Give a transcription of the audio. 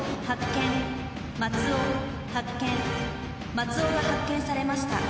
松尾が発見されました。